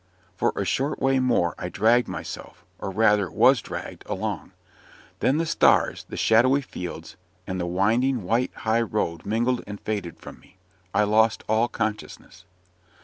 For a short way more, I dragged myself or rather, was dragged along; then the stars, the shadowy fields, and the winding, white high road mingled and faded from me. I lost all consciousness.